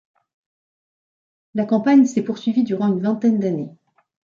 La campagne s'est poursuivie durant une vingtaine d'années.